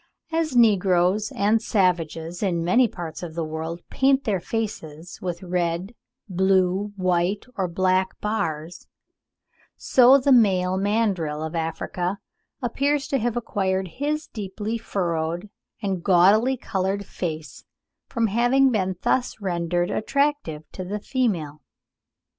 —as negroes and savages in many parts of the world paint their faces with red, blue, white, or black bars,—so the male mandrill of Africa appears to have acquired his deeply furrowed and gaudily coloured face from having been thus rendered attractive to the female.